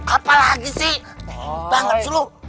apa lagi sih